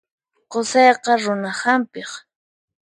Qusayqa runa hampiq.